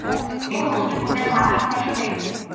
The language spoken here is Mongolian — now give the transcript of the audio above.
Энэ хүмүүс чинь бүгдээрээ манайхан байна шүү дээ.